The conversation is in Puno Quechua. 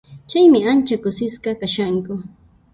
Chaymi ancha kusisqa kashanku.